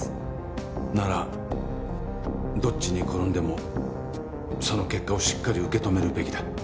ならどっちに転んでもその結果をしっかり受け止めるべきだ